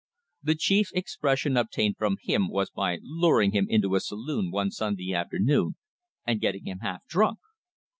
The chief expression obtained from him was by luring him into a saloon one Sunday afternoon and getting him half drunk.